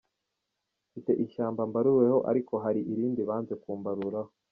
Mfite ishyamba mbaruweho ariko hari irindi banze kumbaruraho.